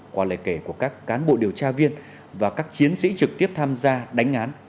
qua lời kể của các cán bộ điều tra viên và các chiến sĩ trực tiếp tham gia đánh án